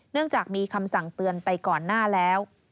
จากมีคำสั่งเตือนไปก่อนหน้าแล้ว